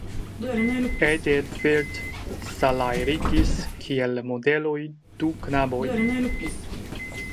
Edelfelt salajrigis kiel modeloj du knabojn.